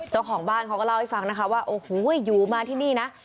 เจ้าของบ้านเขาก็เล่าให้ฟังนะคะว่าโอ้โหอยู่มาที่นี่นะ